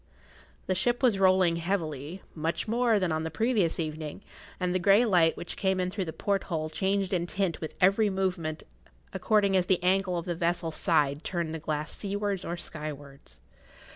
The ship was rolling heavily, much more than on the previous evening, and the grey light which came in through the porthole changed in tint with every movement according as the angle of the vessel's side turned the glass seawards or skywards.